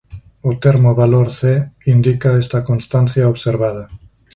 O termo valor C indica esta constancia observada.